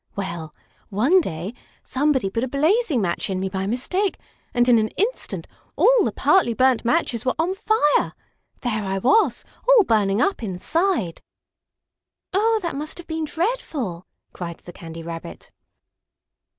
"Well, one day, somebody put a blazing match in me by mistake, and, in an instant, all the partly burnt matches were on fire. There I was, all burning up inside." "Oh, that must have been dreadful!" cried the Candy Rabbit.